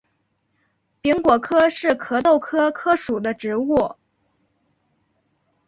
柄果柯是壳斗科柯属的植物。